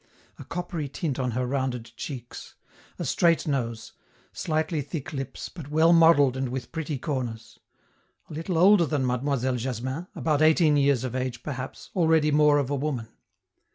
A coppery tint on her rounded cheeks; a straight nose; slightly thick lips, but well modelled and with pretty corners. A little older than Mademoiselle Jasmin, about eighteen years of age perhaps, already more of a woman.